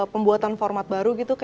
pembuatan format baru gitu kayak gimana